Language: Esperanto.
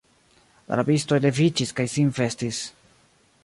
La rabistoj leviĝis kaj sin vestis.